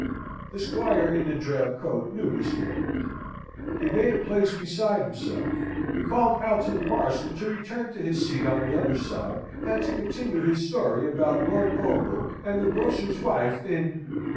The squire in the drab coat knew Mr. Warrington; he made a place beside himself; he called out to the parson to return to his seat on the other side, and to continue his story about Lord Ogle and the grocer's wife in